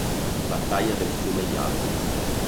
Battaglia del fiume Yalu